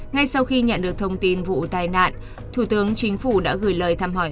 ngay sau khi nhận được thông tin vụ tai nạn thủ tướng chính phủ đã gửi lời thăm hỏi